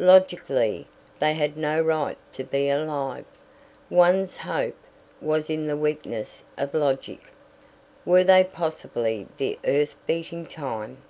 Logically, they had no right to be alive. One's hope was in the weakness of logic. Were they possibly the earth beating time?